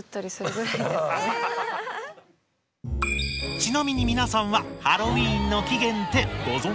ちなみに皆さんはハロウィーンの起源ってご存じですか？